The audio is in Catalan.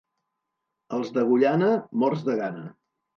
Els d'Agullana, morts de gana.